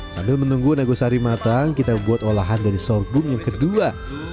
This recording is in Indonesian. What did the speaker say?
sambil menunggu nagosari matang kita buat olahan dari sorghum yang kedua